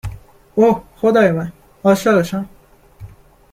!اوه ، خدای من! عاشقشم